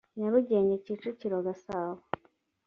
nyarugenge kicukiro gasabo